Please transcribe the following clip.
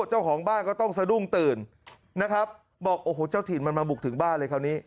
เจ้าของบ้านก็ต้องสะดุ้งตื่นนะครับบอกโอ้โหเจ้าถิ่นมันมาบุกถึงบ้านเลยคราวนี้